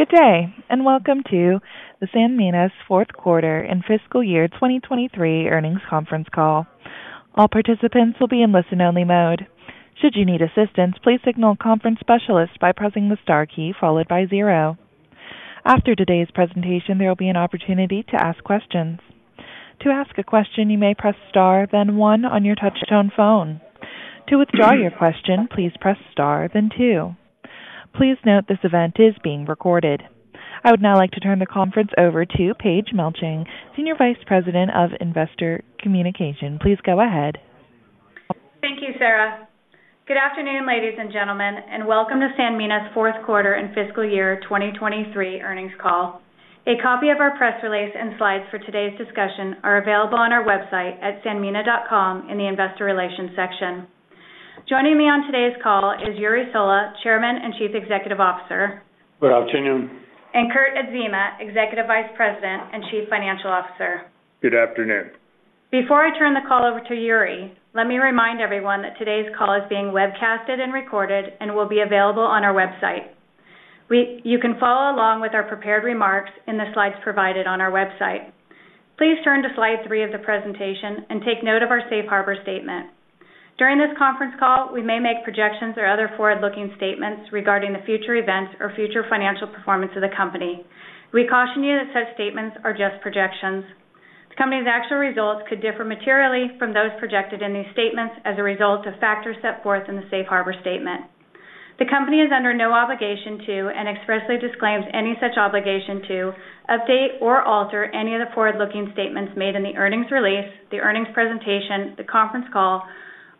Good day, and welcome to Sanmina’s fourth quarter and fiscal year 2023 earnings conference call. All participants will be in listen-only mode. Should you need assistance, please signal a conference specialist by pressing the star key followed by zero. After today’s presentation, there will be an opportunity to ask questions. To ask a question, you may press star, then one on your touchtone phone. To withdraw your question, please press star, then two. Please note, this event is being recorded. I would now like to turn the conference over to Paige Melching, Senior Vice President of Investor Communications. Please go ahead. Thank you, Sarah. Good afternoon, ladies and gentlemen, and welcome to Sanmina's fourth quarter and fiscal year 2023 earnings call. A copy of our press release and slides for today's discussion are available on our website at sanmina.com in the Investor Relations section. Joining me on today's call is Jure Sola, Chairman and Chief Executive Officer. Good afternoon. Kurt Adzema, Executive Vice President and Chief Financial Officer. Good afternoon. Before I turn the call over to Jure, let me remind everyone that today's call is being webcasted and recorded and will be available on our website. You can follow along with our prepared remarks in the slides provided on our website. Please turn to slide three of the presentation and take note of our safe harbor statement. During this conference call, we may make projections or other forward-looking statements regarding the future events or future financial performance of the company. We caution you that such statements are just projections. The company's actual results could differ materially from those projected in these statements as a result of factors set forth in the safe harbor statement. The company is under no obligation to, and expressly disclaims any such obligation to, update or alter any of the forward-looking statements made in the earnings release, the earnings presentation, the conference call,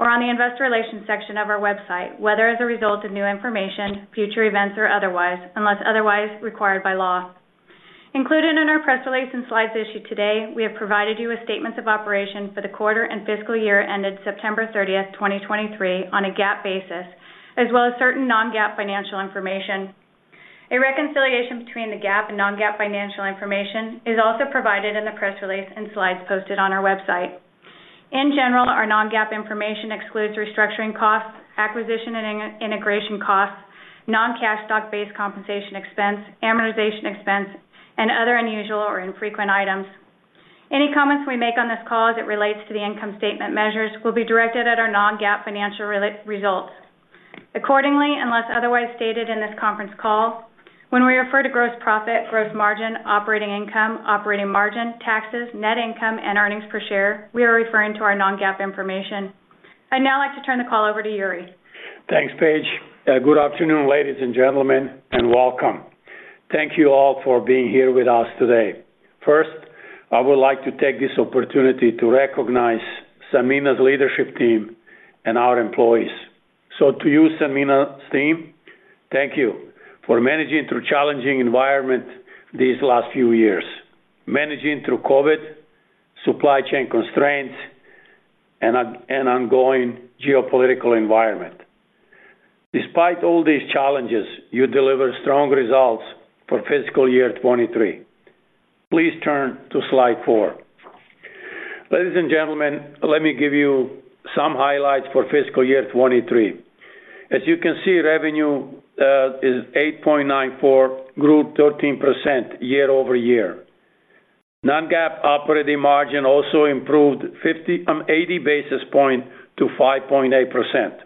or on the investor relations section of our website, whether as a result of new information, future events, or otherwise, unless otherwise required by law. Included in our press release and slides issued today, we have provided you with statements of operations for the quarter and fiscal year ended September 30th, 2023, on a GAAP basis, as well as certain non-GAAP financial information. A reconciliation between the GAAP and non-GAAP financial information is also provided in the press release and slides posted on our website. In general, our non-GAAP information excludes restructuring costs, acquisition and integration costs, non-cash stock-based compensation expense, amortization expense, and other unusual or infrequent items. Any comments we make on this call as it relates to the income statement measures will be directed at our non-GAAP financial results. Accordingly, unless otherwise stated in this conference call, when we refer to gross profit, gross margin, operating income, operating margin, taxes, net income, and earnings per share, we are referring to our non-GAAP information. I'd now like to turn the call over to Jure. Thanks, Paige. Good afternoon, ladies and gentlemen, and welcome. Thank you all for being here with us today. First, I would like to take this opportunity to recognize Sanmina's leadership team and our employees. So to you, Sanmina's team, thank you for managing through challenging environment these last few years, managing through COVID, supply chain constraints, and an ongoing geopolitical environment. Despite all these challenges, you delivered strong results for fiscal year 2023. Please turn to slide four. Ladies and gentlemen, let me give you some highlights for fiscal year 2023. As you can see, revenue is $8.94 billion, grew 13% year-over-year. Non-GAAP operating margin also improved 58 basis points to 5.8%.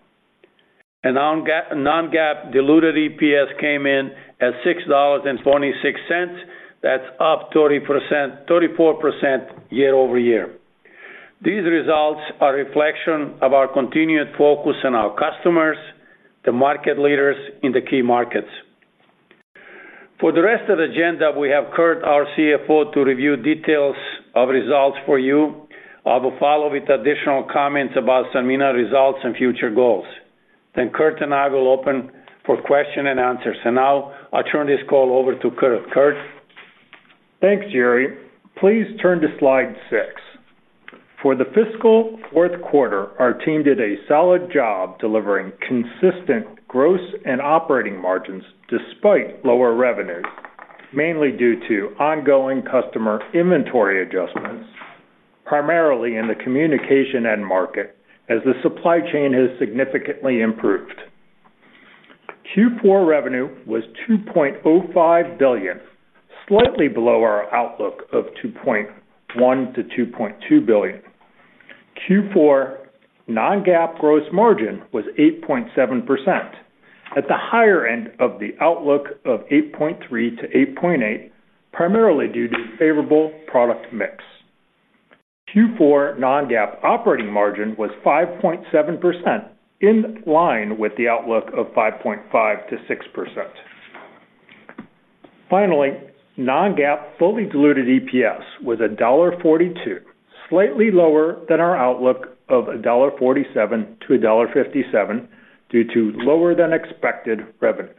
And non-GAAP diluted EPS came in at $6.26. That's up 30%... 34% year-over-year. These results are a reflection of our continued focus on our customers, the market leaders in the key markets. For the rest of the agenda, we have Kurt, our CFO, to review details of results for you. I will follow with additional comments about Sanmina results and future goals. Then Kurt and I will open for question and answers. And now I turn this call over to Kurt. Kurt? Thanks, Jure. Please turn to slide six. For the fiscal fourth quarter, our team did a solid job delivering consistent gross and operating margins despite lower revenues, mainly due to ongoing customer inventory adjustments, primarily in the communication end market, as the supply chain has significantly improved. Q4 revenue was $2.05 billion, slightly below our outlook of $2.1-$2.2 billion. Q4 non-GAAP gross margin was 8.7%, at the higher end of the outlook of 8.3%-8.8%, primarily due to favorable product mix. Q4 non-GAAP operating margin was 5.7%, in line with the outlook of 5.5%-6%. Finally, non-GAAP fully diluted EPS was $1.42, slightly lower than our outlook of $1.47-$1.57, due to lower than expected revenues.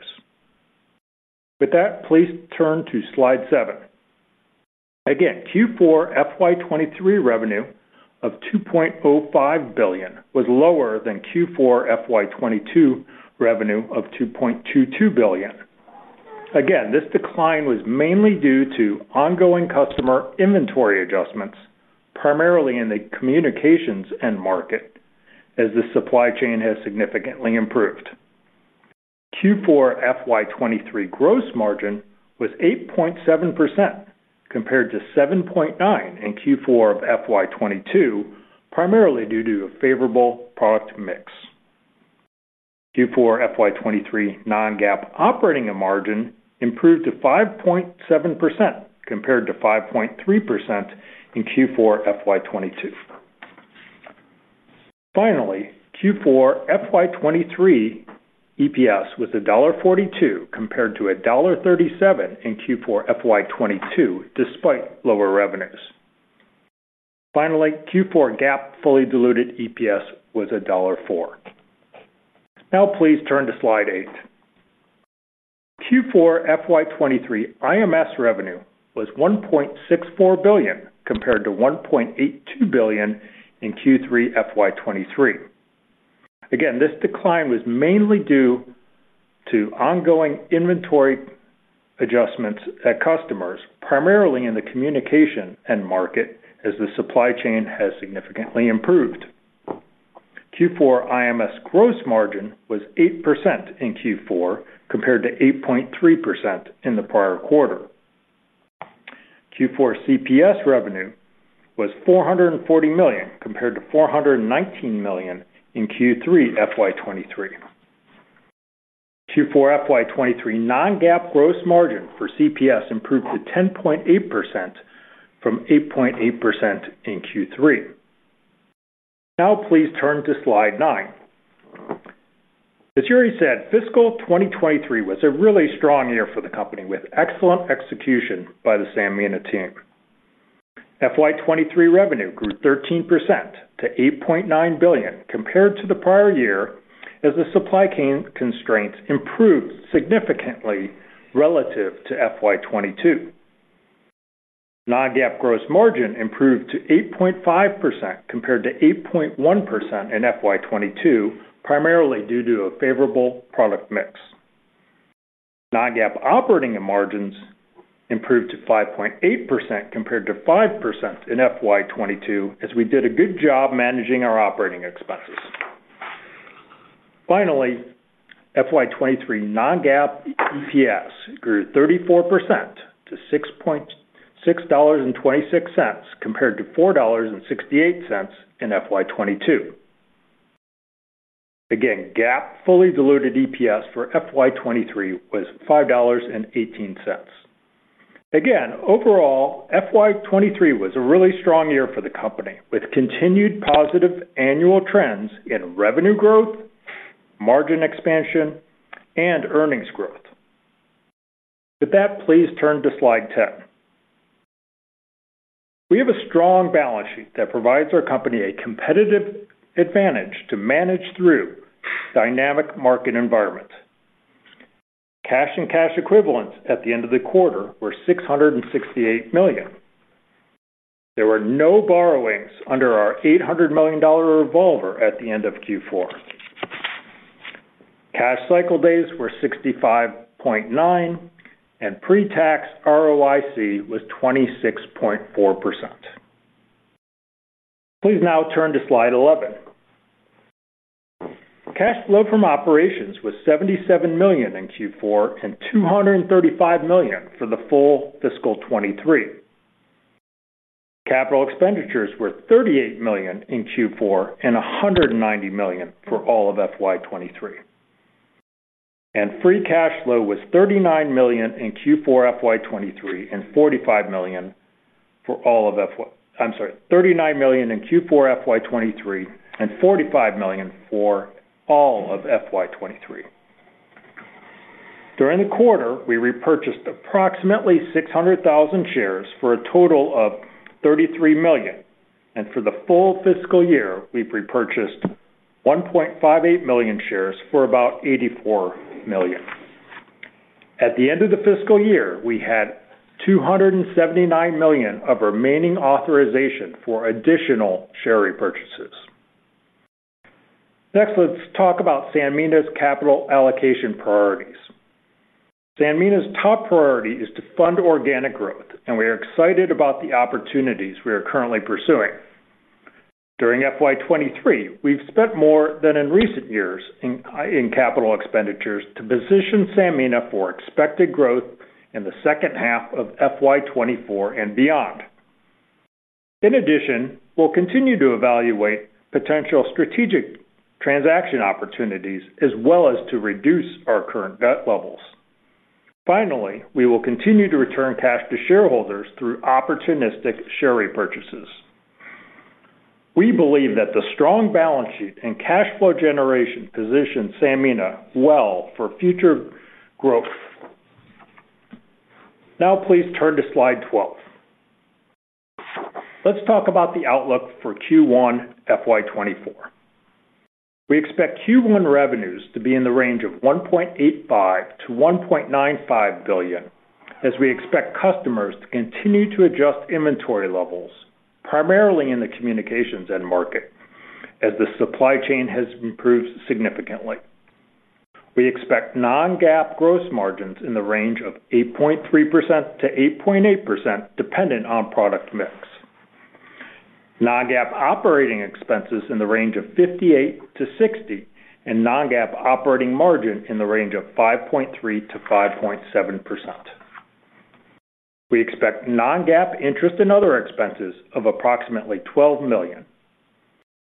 With that, please turn to slide seven. Again, Q4 FY 2023 revenue of $2.05 billion was lower than Q4 FY 2022 revenue of $2.22 billion. Again, this decline was mainly due to ongoing customer inventory adjustments, primarily in the communications end market.... as the supply chain has significantly improved. Q4 FY 2023 gross margin was 8.7%, compared to 7.9% in Q4 of FY 2022, primarily due to a favorable product mix. Q4 FY 2023 non-GAAP operating margin improved to 5.7%, compared to 5.3% in Q4 FY 2022. Finally, Q4 FY 2023 EPS was $1.42, compared to $1.37 in Q4 FY 2022, despite lower revenues. Finally, Q4 GAAP fully diluted EPS was $1.04. Now please turn to slide eight. Q4 FY 2023 IMS revenue was $1.64 billion, compared to $1.82 billion in Q3 FY 2023. Again, this decline was mainly due to ongoing inventory adjustments at customers, primarily in the communication end market, as the supply chain has significantly improved. Q4 IMS gross margin was 8% in Q4, compared to 8.3% in the prior quarter. Q4 CPS revenue was $440 million, compared to $419 million in Q3 FY 2023. Q4 FY 2023 non-GAAP gross margin for CPS improved to 10.8% from 8.8% in Q3. Now please turn to slide nine. As Jure said, fiscal 2023 was a really strong year for the company, with excellent execution by the Sanmina team. FY 2023 revenue grew 13% to $8.9 billion compared to the prior year, as the supply chain constraints improved significantly relative to FY 2022. Non-GAAP gross margin improved to 8.5%, compared to 8.1% in FY 2022, primarily due to a favorable product mix. Non-GAAP operating margins improved to 5.8%, compared to 5% in FY 2022, as we did a good job managing our operating expenses. Finally, FY 2023 non-GAAP EPS grew 34% to $6.26, compared to $4.68 in FY 2022. Again, GAAP fully diluted EPS for FY 2023 was $5.18. Again, overall, FY 2023 was a really strong year for the company, with continued positive annual trends in revenue growth, margin expansion, and earnings growth. With that, please turn to slide 10. We have a strong balance sheet that provides our company a competitive advantage to manage through dynamic market environments. Cash and cash equivalents at the end of the quarter were $668 million. There were no borrowings under our $800 million revolver at the end of Q4. Cash cycle days were 65.9, and pre-tax ROIC was 26.4%. Please now turn to slide 11. Cash flow from operations was $77 million in Q4, and $235 million for the full fiscal 2023. Capital expenditures were $38 million in Q4, and $190 million for all of FY 2023. And free cash flow was $39 million in Q4 FY 2023, and $45 million for all of FY... I'm sorry, $39 million in Q4 FY 2023, and $45 million for all of FY 2023. During the quarter, we repurchased approximately 600,000 shares for a total of $33 million, and for the full fiscal year, we've repurchased 1.58 million shares for about $84 million. At the end of the fiscal year, we had $279 million of remaining authorization for additional share repurchases. Next, let's talk about Sanmina's capital allocation priorities. Sanmina's top priority is to fund organic growth, and we are excited about the opportunities we are currently pursuing. During FY 2023, we've spent more than in recent years in capital expenditures to position Sanmina for expected growth in the second half of FY 2024 and beyond. In addition, we'll continue to evaluate potential strategic transaction opportunities, as well as to reduce our current debt levels. Finally, we will continue to return cash to shareholders through opportunistic share repurchases. We believe that the strong balance sheet and cash flow generation position Sanmina well for future growth. Now, please turn to slide 12. Let's talk about the outlook for Q1 FY 2024. We expect Q1 revenues to be in the range of $1.85 billion-$1.95 billion, as we expect customers to continue to adjust inventory levels, primarily in the communications end market, as the supply chain has improved significantly. We expect non-GAAP gross margins in the range of 8.3%-8.8%, dependent on product mix. Non-GAAP operating expenses in the range of $58 million-$60 million, and non-GAAP operating margin in the range of 5.3%-5.7%. We expect non-GAAP interest and other expenses of approximately $12 million.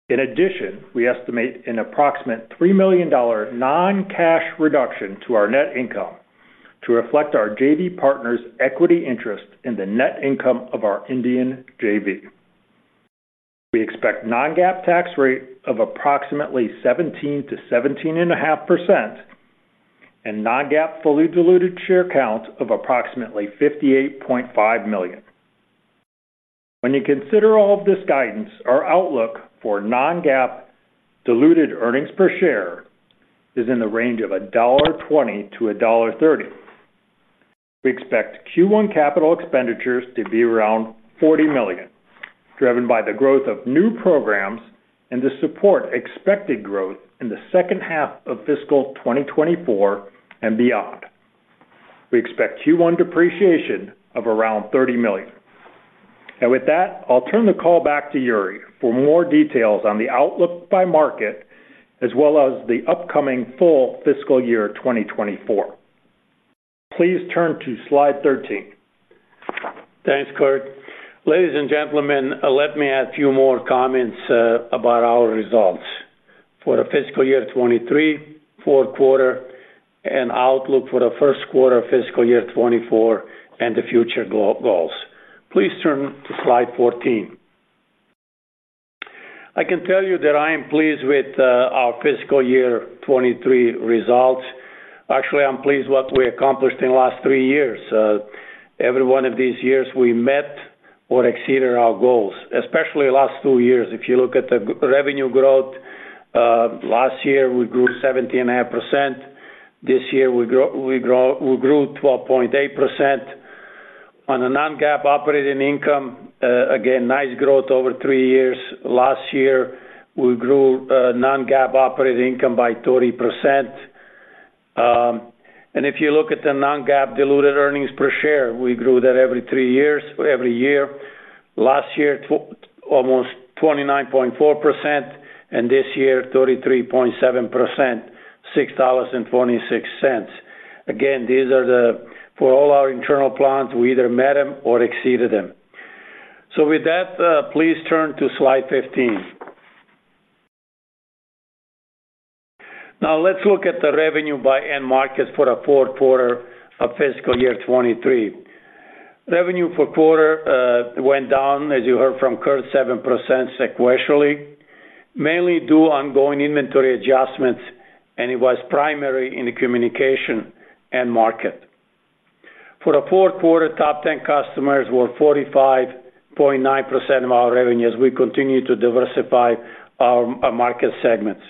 In addition, we estimate an approximate $3 million non-cash reduction to our net income to reflect our JV partner's equity interest in the net income of our Indian JV. We expect non-GAAP tax rate of approximately 17%-17.5%, and non-GAAP fully diluted share count of approximately 58.5 million. When you consider all of this guidance, our outlook for non-GAAP diluted earnings per share is in the range of $1.20-$1.30. We expect Q1 capital expenditures to be around $40 million, driven by the growth of new programs and to support expected growth in the second half of fiscal 2024 and beyond. We expect Q1 depreciation of around $30 million. With that, I'll turn the call back to Jure for more details on the outlook by market, as well as the upcoming full fiscal year 2024. Please turn to slide 13. Thanks, Kurt. Ladies and gentlemen, let me add a few more comments about our results for the fiscal year 2023, fourth quarter, and outlook for the first quarter of fiscal year 2024, and the future goals. Please turn to slide 14. I can tell you that I am pleased with our fiscal year 2023 results. Actually, I'm pleased what we accomplished in the last three years. Every one of these years, we met or exceeded our goals, especially the last two years. If you look at the revenue growth, last year, we grew 70.5%. This year, we grew 12.8%. On a non-GAAP operating income, again, nice growth over three years. Last year, we grew non-GAAP operating income by 30%. And if you look at the non-GAAP diluted earnings per share, we grew that every three years, every year. Last year, almost 29.4%, and this year, 33.7%, $6.26. Again, these are the... For all our internal plans, we either met them or exceeded them. So with that, please turn to slide 15. Now, let's look at the revenue by end markets for the fourth quarter of fiscal year 2023. Revenue for quarter went down, as you heard from Kurt, 7% sequentially, mainly due to ongoing inventory adjustments, and it was primary in the communication end market. For the fourth quarter, top ten customers were 45.9% of our revenues. We continue to diversify our market segments.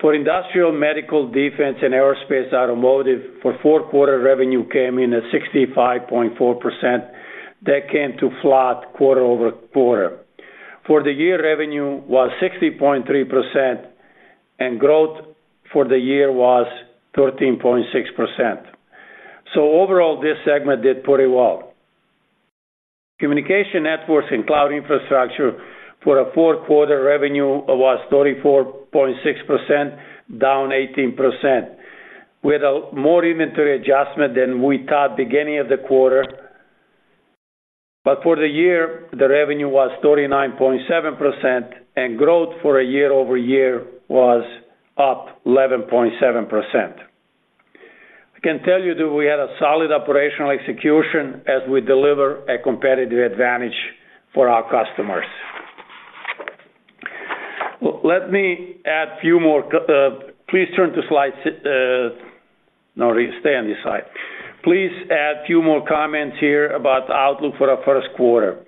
For industrial, medical, defense, and aerospace, automotive, for fourth quarter, revenue came in at 65.4%. That came to flat quarter-over-quarter. For the year, revenue was 60.3%, and growth for the year was 13.6%. So overall, this segment did pretty well. Communication networks and cloud infrastructure for the fourth quarter, revenue was 34.6%, down 18%, with a more inventory adjustment than we thought beginning of the quarter. But for the year, the revenue was 39.7%, and growth for a year-over-year was up 11.7%. I can tell you that we had a solid operational execution as we deliver a competitive advantage for our customers. Let me add a few more, please turn to slide, no, stay on this slide. Please add a few more comments here about the outlook for the first quarter.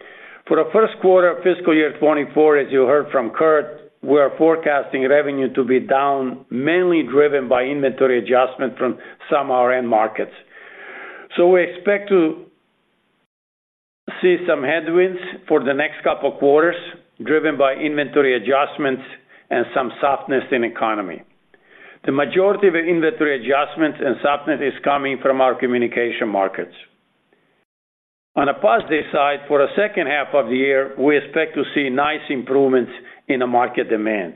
For the first quarter of fiscal year 2024, as you heard from Kurt, we are forecasting revenue to be down, mainly driven by inventory adjustment from some of our end markets. So we expect to see some headwinds for the next couple of quarters, driven by inventory adjustments and some softness in economy. The majority of the inventory adjustments and softness is coming from our communication markets. On a positive side, for the second half of the year, we expect to see nice improvements in the market demand.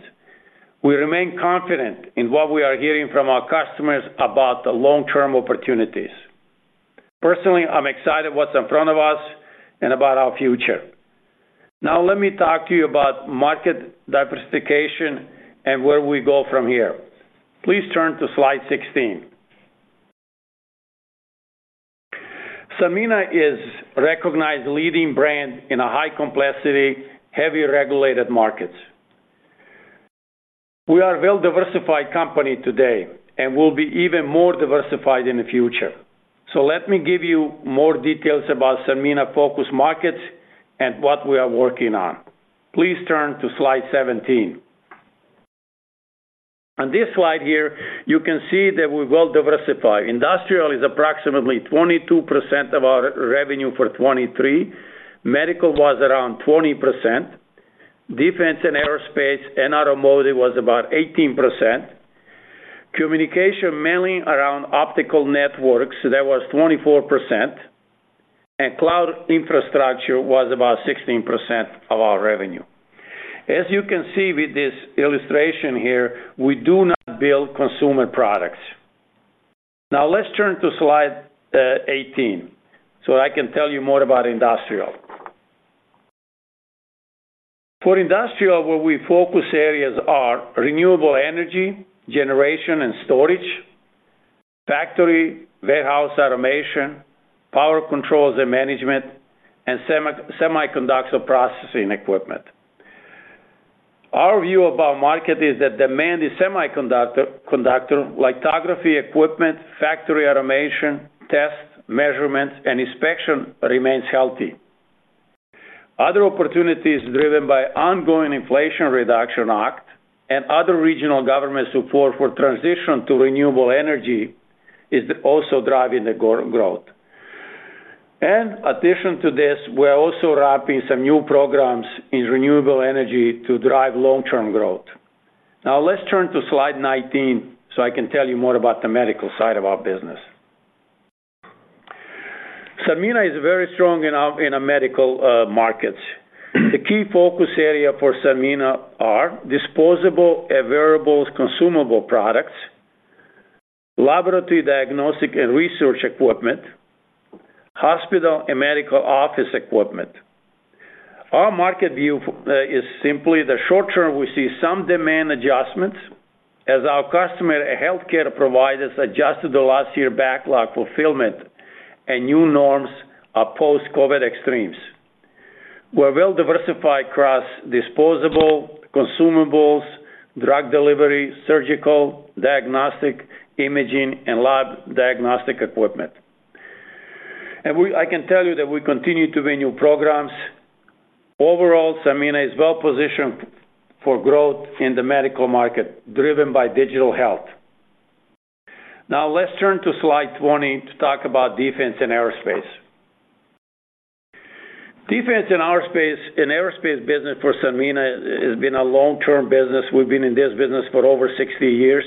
We remain confident in what we are hearing from our customers about the long-term opportunities. Personally, I'm excited what's in front of us and about our future. Now, let me talk to you about market diversification and where we go from here. Please turn to slide 16. Sanmina is a recognized leading brand in a high-complexity, heavily regulated markets. We are a well-diversified company today and will be even more diversified in the future. So let me give you more details about Sanmina focus markets and what we are working on. Please turn to slide 17. On this slide here, you can see that we're well-diversified. Industrial is approximately 22% of our revenue for 2023, medical was around 20%. Defense and aerospace and automotive was about 18%. Communication, mainly around optical networks, that was 24%, and cloud infrastructure was about 16% of our revenue. As you can see with this illustration here, we do not build consumer products. Now, let's turn to slide 18, so I can tell you more about industrial. For industrial, where we focus areas are renewable energy, generation and storage, factory, warehouse automation, power controls and management, and semiconductor processing equipment. Our view of our market is that demand in semiconductor lithography equipment, factory automation, test measurements, and inspection remains healthy. Other opportunities driven by ongoing Inflation Reduction Act and other regional government support for transition to renewable energy is also driving the growth. In addition to this, we're also ramping some new programs in renewable energy to drive long-term growth. Now, let's turn to slide 19, so I can tell you more about the medical side of our business. Sanmina is very strong in our, in our medical markets. The key focus area for Sanmina are: disposable and wearables consumable products, laboratory diagnostic and research equipment, hospital and medical office equipment. Our market view is simply the short term. We see some demand adjustments as our customer and healthcare providers adjust to the last year backlog fulfillment and new norms of post-COVID extremes. We're well diversified across disposable, consumables, drug delivery, surgical, diagnostic, imaging, and lab diagnostic equipment. We—I can tell you that we continue to win new programs. Overall, Sanmina is well positioned for growth in the medical market, driven by digital health. Now, let's turn to slide 20 to talk about defense and aerospace. Defense and aerospace, and aerospace business for Sanmina has been a long-term business. We've been in this business for over 60 years.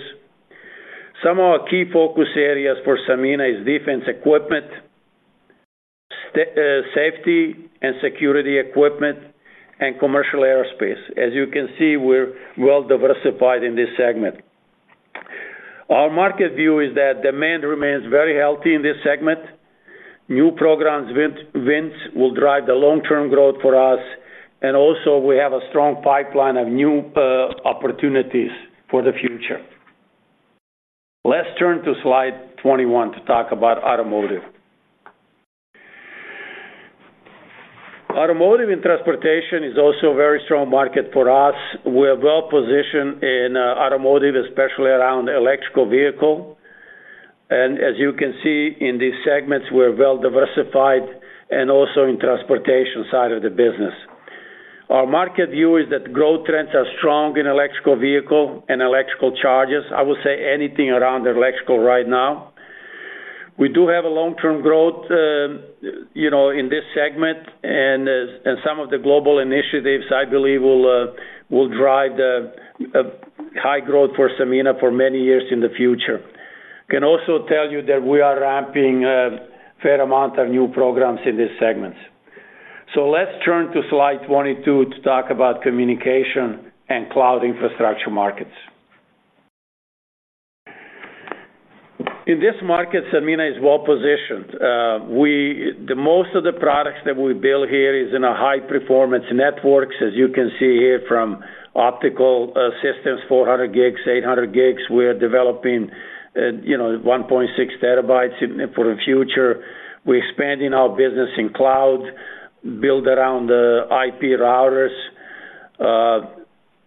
Some of our key focus areas for Sanmina is defense equipment, safety and security equipment, and commercial aerospace. As you can see, we're well diversified in this segment. Our market view is that demand remains very healthy in this segment. New programs win-wins will drive the long-term growth for us, and also, we have a strong pipeline of new, opportunities for the future. Let's turn to slide 21 to talk about automotive. Automotive and transportation is also a very strong market for us. We're well positioned in, automotive, especially around electric vehicle. And as you can see in these segments, we're well diversified and also in transportation side of the business. Our market view is that growth trends are strong in electric vehicle and electric chargers. I would say anything around electric right now. We do have a long-term growth, you know, in this segment, and as and some of the global initiatives, I believe, will drive the high growth for Sanmina for many years in the future. I can also tell you that we are ramping a fair amount of new programs in this segment. So let's turn to slide 22 to talk about communication and cloud infrastructure markets. In this market, Sanmina is well positioned. We, the most of the products that we build here is in a high-performance networks, as you can see here, from optical, systems, 400 gigs, 800 gigs. We are developing, you know, 1.6 TB in, for the future. We're expanding our business in cloud, build around the IP routers.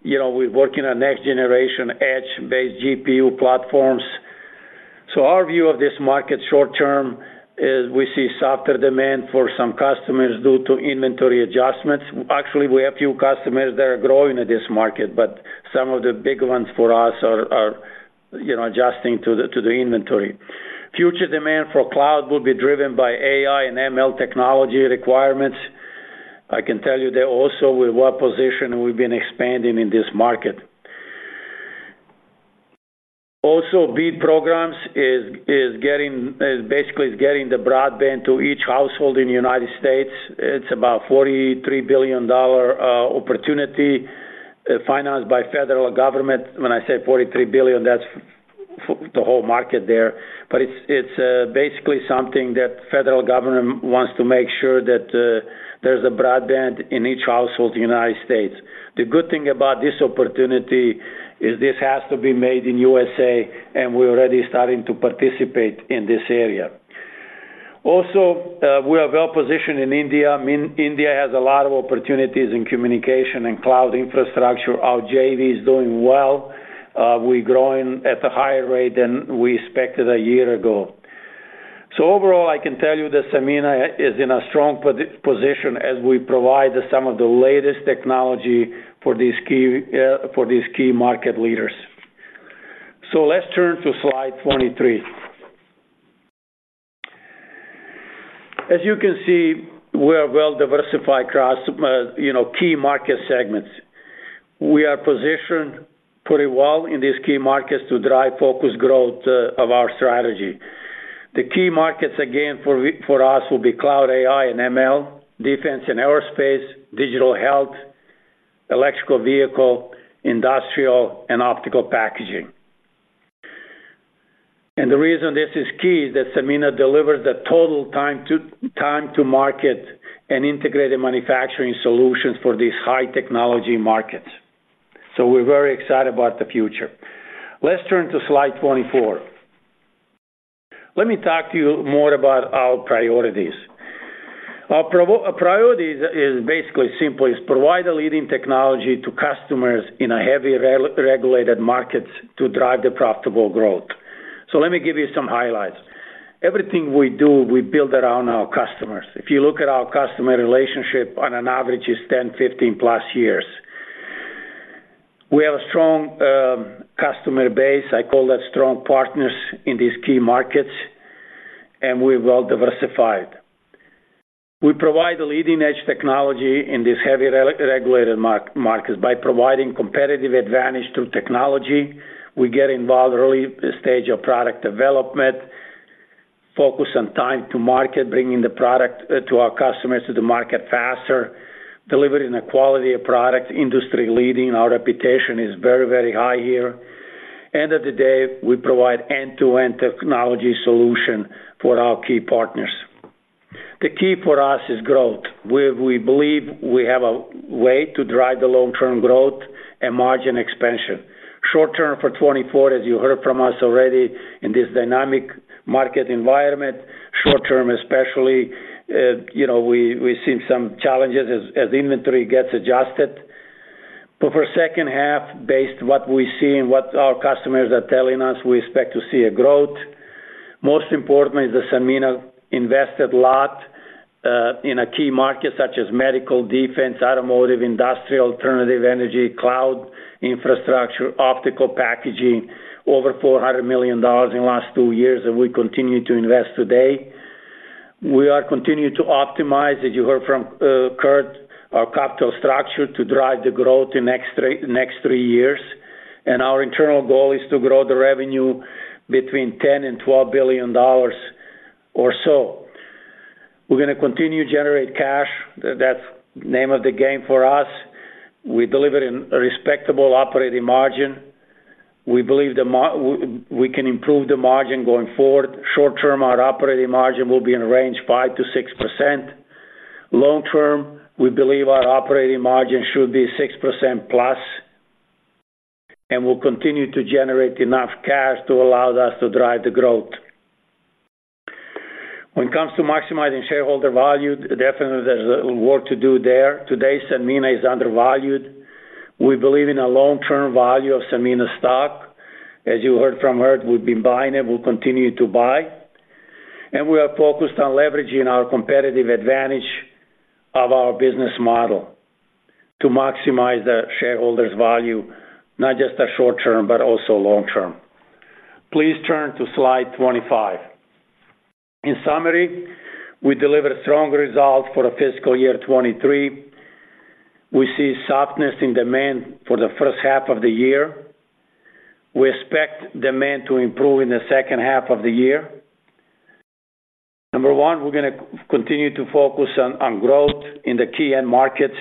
You know, we're working on next-generation edge-based GPU platforms. So our view of this market short term is we see softer demand for some customers due to inventory adjustments. Actually, we have a few customers that are growing in this market, but some of the big ones for us are, you know, adjusting to the inventory. Future demand for cloud will be driven by AI and ML technology requirements. I can tell you that also we're well positioned, and we've been expanding in this market. Also, BEAD programs is basically getting the broadband to each household in the United States. It's about $43 billion opportunity, financed by federal government. When I say $43 billion, that's for the whole market there, but it's basically something that federal government wants to make sure that there's a broadband in each household in the United States. The good thing about this opportunity is this has to be made in USA, and we're already starting to participate in this area. Also, we are well positioned in India. I mean, India has a lot of opportunities in communication and cloud infrastructure. Our JV is doing well. We're growing at a higher rate than we expected a year ago. So overall, I can tell you that Sanmina is in a strong position as we provide some of the latest technology for these key, for these key market leaders. So let's turn to slide 23. As you can see, we are well diversified across, you know, key market segments. We are positioned pretty well in these key markets to drive focused growth, of our strategy. The key markets, again, for us, will be cloud, AI, and ML, defense and aerospace, digital health, electric vehicle, industrial, and optical packaging. The reason this is key is that Sanmina delivers the total time to market and integrated manufacturing solutions for these high-technology markets. So we're very excited about the future. Let's turn to slide 24. Let me talk to you more about our priorities. Our priorities is basically simply, is provide a leading technology to customers in a heavily regulated markets to drive the profitable growth. So let me give you some highlights. Everything we do, we build around our customers. If you look at our customer relationship, on an average, it's 10, 15+ years. We have a strong, customer base, I call that strong partners in these key markets, and we're well diversified. We provide a leading-edge technology in these heavily regulated markets by providing competitive advantage through technology. We get involved early stage of product development, focus on time to market, bringing the product, to our customers, to the market faster, delivering a quality of product, industry-leading. Our reputation is very, very high here. End of the day, we provide end-to-end technology solution for our key partners. The key for us is growth, where we believe we have a way to drive the long-term growth and margin expansion. Short term for 2024, as you heard from us already, in this dynamic market environment, short term, especially, you know, we've seen some challenges as inventory gets adjusted. But for second half, based what we see and what our customers are telling us, we expect to see a growth. Most importantly, the Sanmina invested a lot in a key market such as medical, defense, automotive, industrial, alternative energy, cloud infrastructure, optical packaging, over $400 million in the last two years, and we continue to invest today. We are continuing to optimize, as you heard from Kurt, our capital structure to drive the growth in next three years. Our internal goal is to grow the revenue between $10 billion and $12 billion or so. We're gonna continue to generate cash. That's the name of the game for us. We deliver in a respectable operating margin. We believe we can improve the margin going forward. Short term, our operating margin will be in a range 5%-6%. Long term, we believe our operating margin should be 6%+, and we'll continue to generate enough cash to allow us to drive the growth. When it comes to maximizing shareholder value, definitely there's work to do there. Today, Sanmina is undervalued. We believe in a long-term value of Sanmina stock. As you heard from Kurt, we've been buying it, we'll continue to buy. We are focused on leveraging our competitive advantage of our business model to maximize the shareholders' value, not just the short term, but also long term. Please turn to slide 25. In summary, we delivered strong results for the fiscal year 2023. We see softness in demand for the first half of the year. We expect demand to improve in the second half of the year. Number one, we're gonna continue to focus on growth in the key end markets,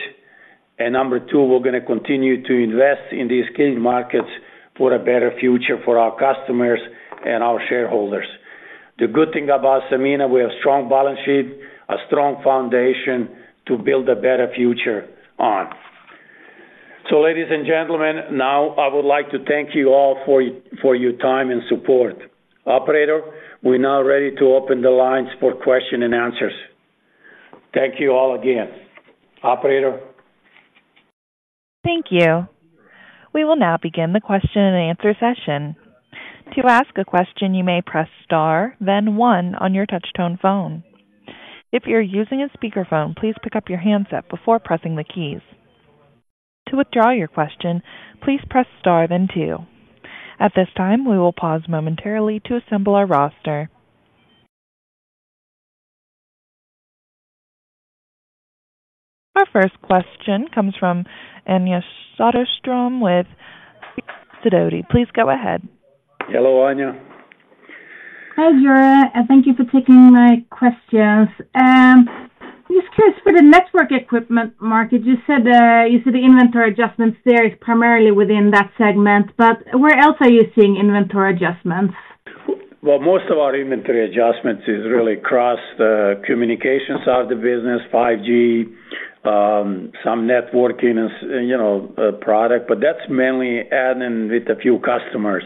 and number two, we're gonna continue to invest in these key markets for a better future for our customers and our shareholders. The good thing about Sanmina, we have strong balance sheet, a strong foundation to build a better future on. So, ladies and gentlemen, now I would like to thank you all for your time and support. Operator, we're now ready to open the lines for question and answers. Thank you all again. Operator? Thank you. We will now begin the question-and-answer session. To ask a question, you may press star, then one on your touch tone phone. If you're using a speakerphone, please pick up your handset before pressing the keys. To withdraw your question, please press star, then two. At this time, we will pause momentarily to assemble our roster. Our first question comes from Anja Soderstrom with Sidoti. Please go ahead. Hello, Anja. Hi, Jure, and thank you for taking my questions. Just curious, for the network equipment market, you said, you said the inventory adjustments there is primarily within that segment, but where else are you seeing inventory adjustments? Well, most of our inventory adjustments is really across the communications side of the business, 5G, some networking and, you know, product, but that's mainly adding with a few customers.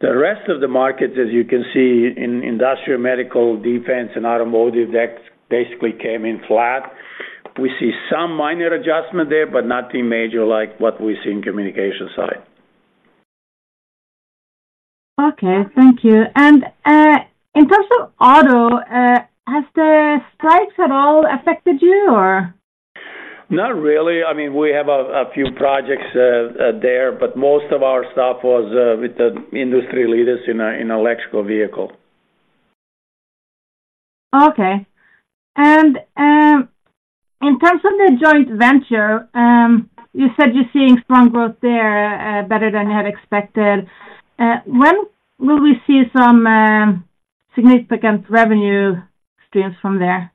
The rest of the markets, as you can see in industrial, medical, defense, and automotive, that basically came in flat. We see some minor adjustment there, but nothing major like what we see in communication side. Okay, thank you. In terms of auto, has the strikes at all affected you, or?... Not really. I mean, we have a few projects there, but most of our stuff was with the industry leaders in electric vehicle. Okay. In terms of the joint venture, you said you're seeing strong growth there, better than you had expected. When will we see some significant revenue streams from there?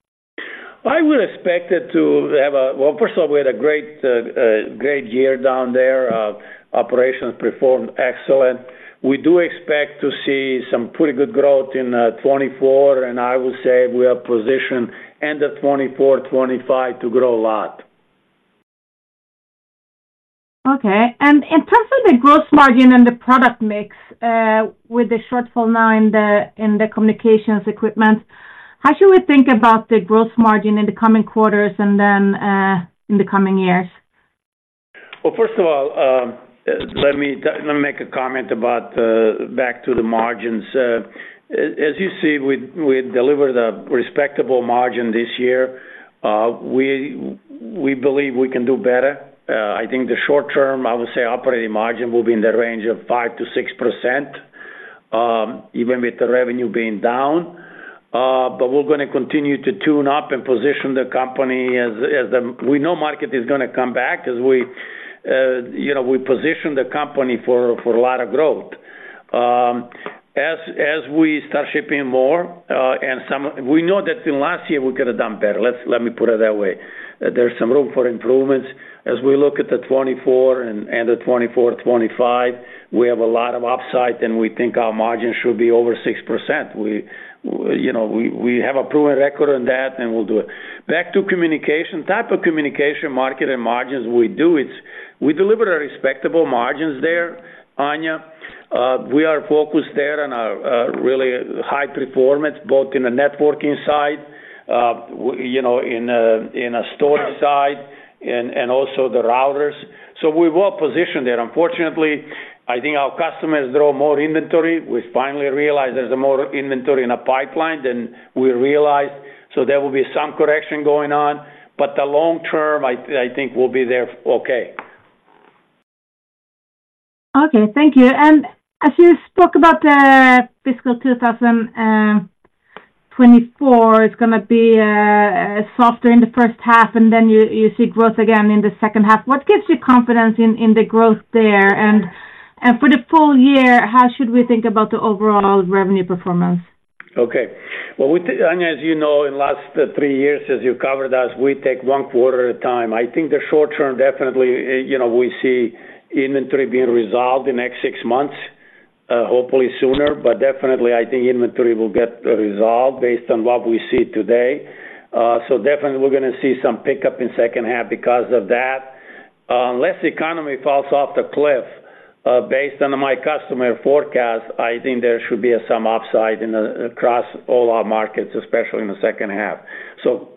I would expect it to have. Well, first of all, we had a great, great year down there. Operations performed excellent. We do expect to see some pretty good growth in 2024, and I would say we are positioned end of 2024, 2025 to grow a lot. Okay. In terms of the gross margin and the product mix, with the shortfall now in the communications equipment, how should we think about the gross margin in the coming quarters and then in the coming years? Well, first of all, let me, let me make a comment about, back to the margins. As, as you see, we, we delivered a respectable margin this year. We, we believe we can do better. I think the short term, I would say operating margin will be in the range of 5%-6%, even with the revenue being down. But we're gonna continue to tune up and position the company as, as the—we know market is gonna come back as we, you know, we position the company for, for a lot of growth. As, as we start shipping more, and some—we know that in last year, we could have done better. Let's, let me put it that way. There's some room for improvements. As we look at the 2024 and the 2024, 2025, we have a lot of upside, and we think our margin should be over 6%. We, you know, we, we have a proven record on that, and we'll do it. Back to communication, type of communication, market and margins we do, it's. We delivered a respectable margins there, Anja. We are focused there on a, a really high performance, both in the networking side, you know, in, in a storage side and, and also the routers. So we're well positioned there. Unfortunately, I think our customers draw more inventory. We finally realized there's more inventory in a pipeline than we realized, so there will be some correction going on, but the long term, I think, will be there okay. Okay, thank you. And as you spoke about, fiscal 2024, it's gonna be softer in the first half, and then you see growth again in the second half. What gives you confidence in the growth there? And for the full year, how should we think about the overall revenue performance? Okay. Well, we take, Anja, as you know, in last three years, as you covered us, we take one quarter at a time. I think the short term, definitely, you know, we see inventory being resolved in the next six months, hopefully sooner, but definitely, I think inventory will get resolved based on what we see today. So definitely, we're gonna see some pickup in second half because of that. Unless the economy falls off the cliff, based on my customer forecast, I think there should be some upside in the across all our markets, especially in the second half. So,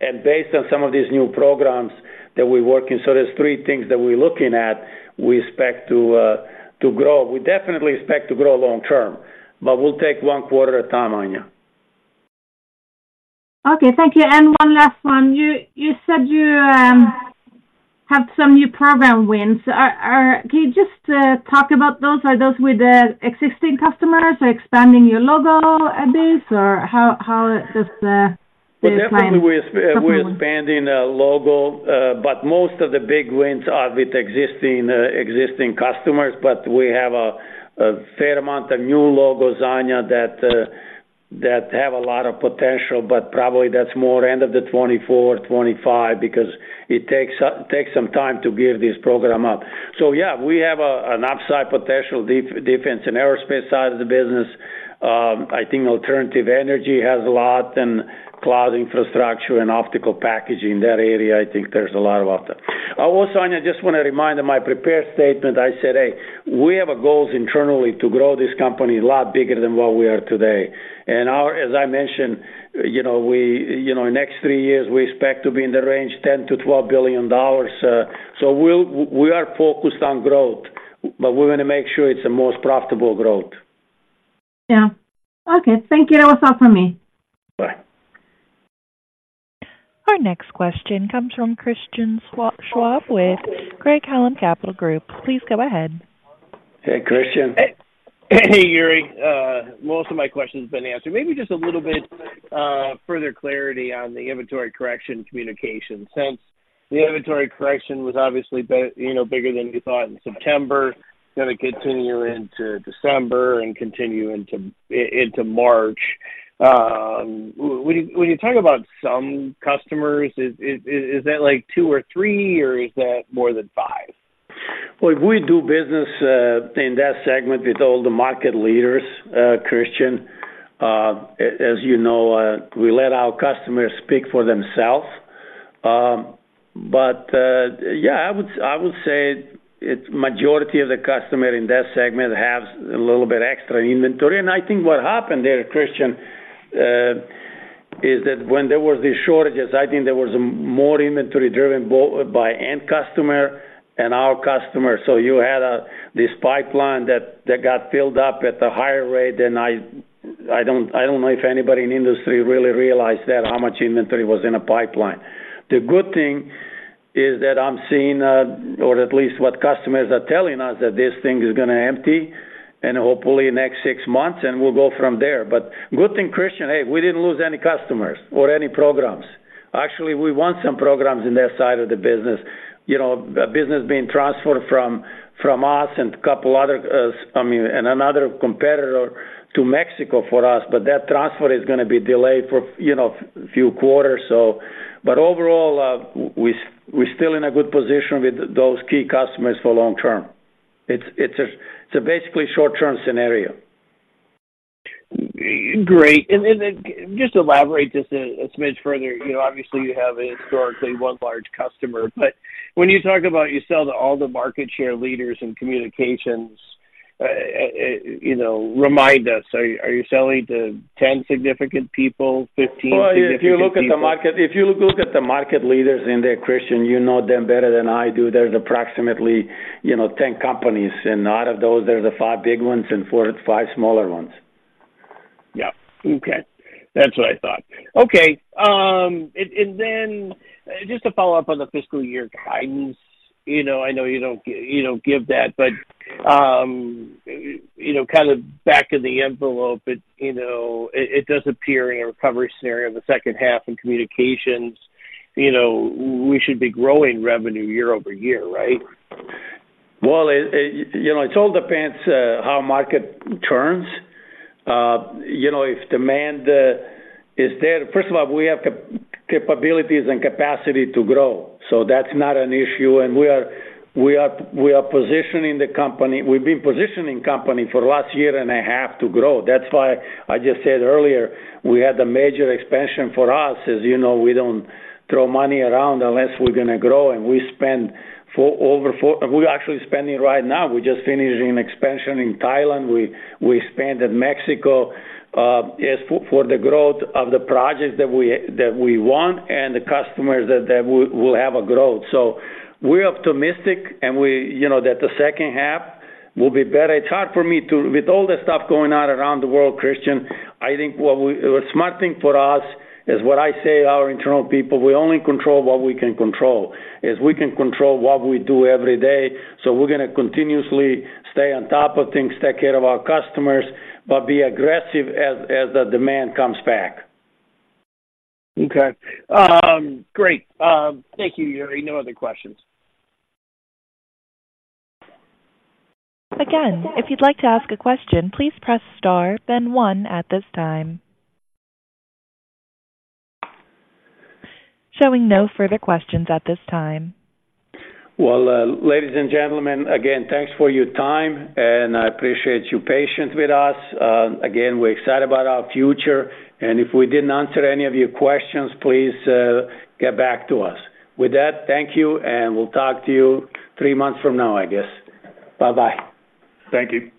and based on some of these new programs that we're working, so there's three things that we're looking at, we expect to grow. We definitely expect to grow long term, but we'll take one quarter at a time, Anja. Okay, thank you. And one last one. You said you have some new program wins. Can you just talk about those? Are those with the existing customers or expanding your logo a bit, or how does the client- Well, definitely, we're expanding logos, but most of the big wins are with existing customers, but we have a fair amount of new logos, Anja, that have a lot of potential, but probably that's more end of the 2024, 2025, because it takes some time to give this program up. So yeah, we have an upside potential defense and aerospace side of the business. I think alternative energy has a lot, and cloud infrastructure and optical packaging. That area, I think there's a lot of opportunity. Also, Anja, I just want to remind in my prepared statement, I said, "Hey, we have a goals internally to grow this company a lot bigger than what we are today." And our - as I mentioned, you know, we, you know, in the next three years, we expect to be in the range $10 billion-$12 billion. So we are focused on growth, but we're gonna make sure it's the most profitable growth. Yeah. Okay, thank you. That was all for me. Bye. Our next question comes from Christian Schwab with Craig-Hallum Capital Group. Please go ahead. Hey, Christian. Hey, Jure. Most of my questions have been answered. Maybe just a little bit further clarity on the inventory correction communication. Since the inventory correction was obviously you know, bigger than you thought in September, gonna continue into December and continue into March, when you talk about some customers, is that like two or three, or is that more than five? Well, if we do business in that segment with all the market leaders, Christian, as you know, we let our customers speak for themselves. But yeah, I would say it's majority of the customer in that segment has a little bit extra inventory. And I think what happened there, Christian, is that when there was these shortages, I think there was more inventory driven by end customer and our customer. So you had this pipeline that got filled up at a higher rate than I don't know if anybody in the industry really realized that, how much inventory was in a pipeline. The good thing is that I'm seeing, or at least what customers are telling us, that this thing is gonna empty, and hopefully next six months, and we'll go from there. Good thing, Christian, hey, we didn't lose any customers or any programs. Actually, we won some programs in that side of the business. You know, a business being transferred from us and a couple other, I mean, and another competitor to Mexico for us, but that transfer is gonna be delayed for, you know, few quarters. But overall, we're still in a good position with those key customers for long term. It's a basically short-term scenario. Great. And then just elaborate this a smidge further. You know, obviously, you have historically one large customer, but when you talk about, you sell to all the market share leaders in communications, you know, remind us, are you, are you selling to 10 significant people, 15 significant people? Well, if you look at the market, if you look at the market leaders in there, Christian, you know them better than I do. There's approximately, you know, 10 companies, and out of those, there's the five big ones and four-five smaller ones. Yep. Okay. That's what I thought. Okay, and then just to follow up on the fiscal year guidance, you know, I know you don't give that, but, you know, kind of back of the envelope, it does appear in a recovery scenario in the second half in communications, you know, we should be growing revenue year-over-year, right? Well, it, you know, it all depends how market turns. You know, if demand is there. First of all, we have capabilities and capacity to grow, so that's not an issue, and we are positioning the company. We've been positioning company for the last year and a half to grow. That's why I just said earlier, we had the major expansion for us. As you know, we don't throw money around unless we're gonna grow, and we spend for over four. We're actually spending right now. We're just finishing an expansion in Thailand. We expanded Mexico as for the growth of the projects that we want and the customers that will have a growth. So we're optimistic, and we, you know, that the second half will be better. It's hard for me to... With all the stuff going on around the world, Christian, I think a smart thing for us is, what I say to our internal people, we only control what we can control, is we can control what we do every day. So we're gonna continuously stay on top of things, take care of our customers, but be aggressive as the demand comes back. Okay. Great. Thank you, Jure. No other questions. Again, if you'd like to ask a question, please press Star, then one at this time. Showing no further questions at this time. Well, ladies and gentlemen, again, thanks for your time, and I appreciate your patience with us. Again, we're excited about our future, and if we didn't answer any of your questions, please, get back to us. With that, thank you, and we'll talk to you three months from now, I guess. Bye-bye. Thank you.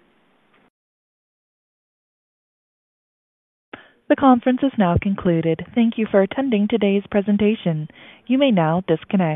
The conference is now concluded. Thank you for attending today's presentation. You may now disconnect.